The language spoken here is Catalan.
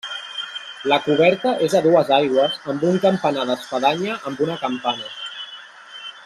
La coberta és a dues aigües amb un campanar d'espadanya amb una campana.